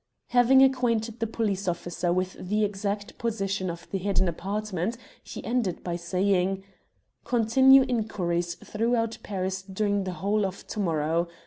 Having acquainted the police officer with the exact position of the hidden apartment, he ended by saying "Continue inquiries throughout Paris during the whole of to morrow.